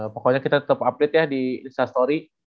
pokoknya kita tetap update ya di instastory